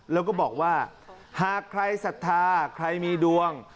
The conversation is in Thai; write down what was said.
แล้วก็บอกว่าหากใครศรัทธาใครมีดวง